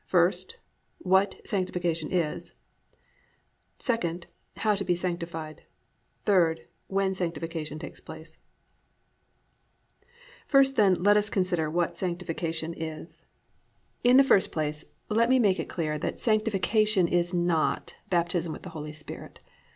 First, What Sanctification Is: 2. How to be Sanctified; 3. When Sanctification Takes Place. I. WHAT SANCTIFICATION IS First, then, let us consider what Sanctification is. 1. In the first place let me make it clear that, _Sanctification is not the "Baptism with the Holy Spirit."